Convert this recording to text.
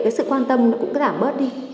cái sự quan tâm nó cũng giảm bớt đi